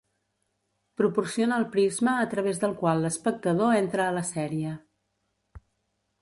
Proporciona el prisma a través del qual l'espectador entra a la sèrie.